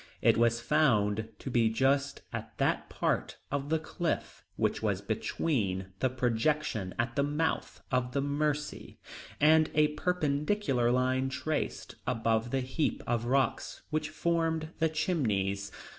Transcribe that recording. It was found to be just at that part of the cliff which was between the projection at the mouth of the Mercy and a perpendicular line traced above the heap of rocks which formed the Chimneys.